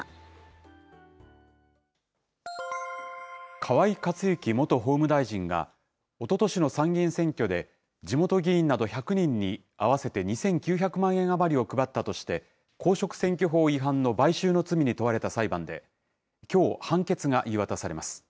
河井克行元法務大臣が、おととしの参議院選挙で地元議員など１００人に合わせて２９００万円余りを配ったとして、公職選挙法違反の買収の罪に問われた裁判で、きょう、判決が言い渡されます。